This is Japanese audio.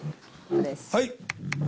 はい！